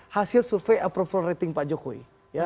hasil survei approval rating pak jokowi